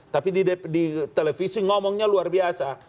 tapi di televisi ngomongnya luar biasa